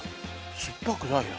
酸っぱくないな。